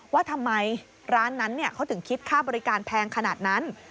ว่าทำไมร้านนั้นเขาถึงคิดค่าบริการแพงขนาดนั้น